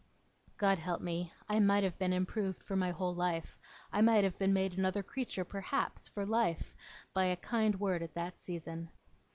God help me, I might have been improved for my whole life, I might have been made another creature perhaps, for life, by a kind word at that season.